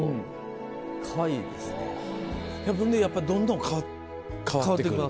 やっぱどんどん変わってくる？